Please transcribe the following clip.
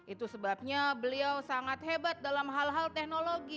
itu sebabnya beliau sangat hebat dalam hal hal teknologi